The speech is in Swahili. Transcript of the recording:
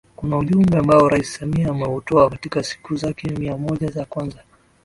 Kuna ujumbe ambao Rais Samia ameutoa katika siku zake mia moja za kwanza